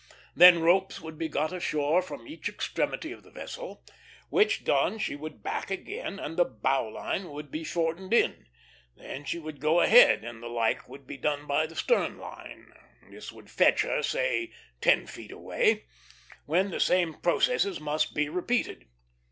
Then ropes would be got ashore from each extremity of the vessel; which done, she would back again, and the bow line would be shortened in. Then she would go ahead, and the like would be done by the stern line. This would fetch her, say, ten feet away, when the same processes must be repeated.